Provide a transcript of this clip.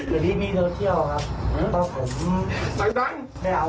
ไม่เอาว่าส่วนบุคคลเป็นของหมาครับ